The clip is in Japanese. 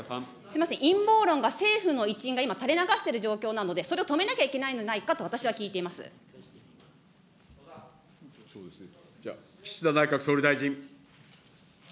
すみません、陰謀論が、政府の一員が今、たれ流している状況なので、それを止めなきゃいけないのではない岸田内閣総理大臣。